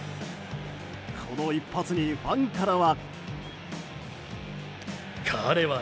この一発に、ファンからは。